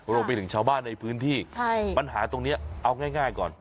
รวมไปถึงชาวบ้านในพื้นที่ปัญหาตรงนี้เอาง่ายก่อน